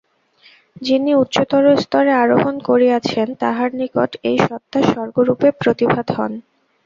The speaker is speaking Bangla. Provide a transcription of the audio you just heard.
যিনি উচ্চতর স্তরে আরোহণ করিয়াছেন, তাঁহার নিকট এই সত্তা স্বর্গরূপে প্রতিভাত হন।